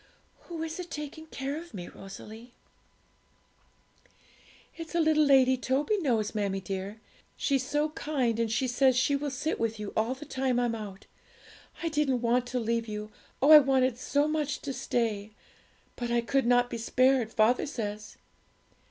'Who is it taking care of me, Rosalie?' 'It's a little lady Toby knows, mammie dear; she's so kind, and she says she will sit with you all the time I'm out. I didn't want to leave you oh, I wanted so much to stay! but I could not be spared, father says.'